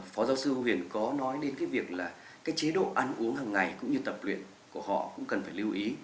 phó giáo sư hương huyền có nói đến việc chế độ ăn uống hằng ngày cũng như tập luyện của họ cũng cần phải lưu ý